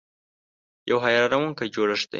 یو حیرانونکی جوړښت دی .